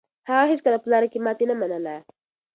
هغه هيڅکله په لاره کې ماتې نه منله.